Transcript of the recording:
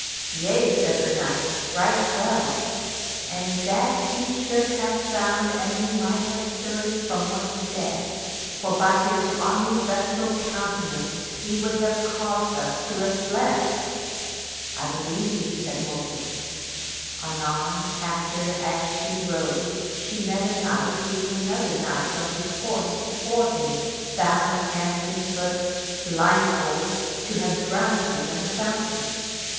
Yea, said her knights, right well, and that ye should have found an we might have stirred from one stead, for by his armyvestal countenance he would have caused us to have fled. I believe you, said Morgan. Anon after as she rode she met a knight leading another knight on his horse before him, bound hand and foot, blindfold, to have drowned him in a fountain.